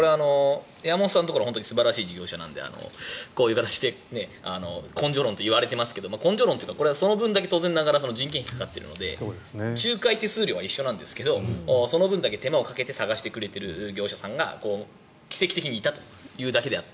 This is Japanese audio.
山本さんのところは素晴らしい事業者さんなのでこういう形で根性論といわれていますけど根性論というかこれはその分だけ当然人件費がかかっているので仲介手数料は一緒なんですけどその分だけ手間をかけて探してくれてる業者さんが奇跡的にいたというだけであって。